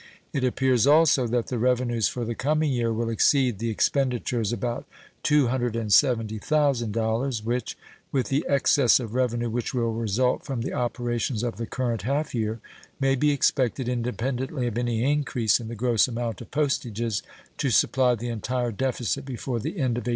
It appears also that the revenues for the coming year will exceed the expenditures about $270,000, which, with the excess of revenue which will result from the operations of the current half year, may be expected, independently of any increase in the gross amount of postages, to supply the entire deficit before the end of 1835.